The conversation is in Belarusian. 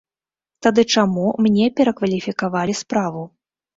Тады чаму мне перакваліфікавалі справу?